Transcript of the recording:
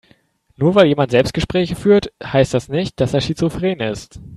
Nur weil jemand Selbstgespräche führt, heißt nicht, dass er schizophren ist.